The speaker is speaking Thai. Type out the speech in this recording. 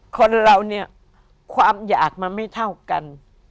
คนเราเนี่ยความอยากมันไม่เท่ากัน